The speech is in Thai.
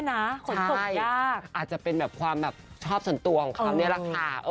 อาจจะเป็นแบบความชอบส่วนตัวของคำนี้แหละค่ะ